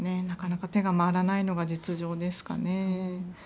なかなか手が回らないのが実情ですかね。